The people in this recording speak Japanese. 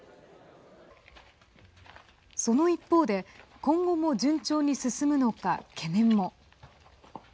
その一方で今後も順調に進むのか懸念も。